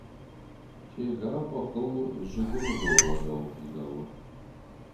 Тега бӕхыл зыгуымы голлагау фидауы!